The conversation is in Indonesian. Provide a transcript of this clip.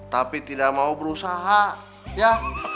tapi tidak mau berusaha ya